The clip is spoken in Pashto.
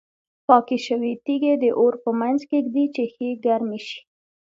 پاکې شوې تیږې د اور په منځ کې ږدي چې ښې ګرمې شي.